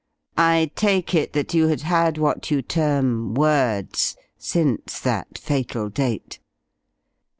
"I take it that you had had what you term 'words' since that fatal date?"